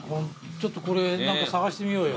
ちょっとこれ何か探してみようよ。